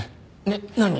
えっ何？